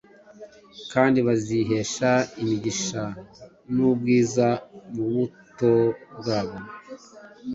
kandi bazihesha imigisha n’ubwiza mu buto bwabo